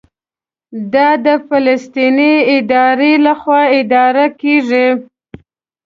دا د فلسطیني ادارې لخوا اداره کېږي.